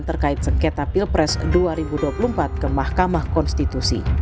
terkait sengketa pilpres dua ribu dua puluh empat ke mahkamah konstitusi